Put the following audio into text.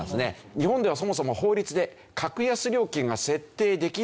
日本ではそもそも法律で格安料金が設定できない。